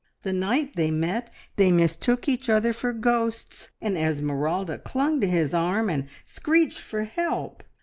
The night they met they mistook each other for ghosts, and Esmeralda clung to his arm and screeched for help.